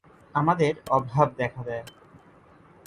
আমাদের অভাব দেখা দেয়।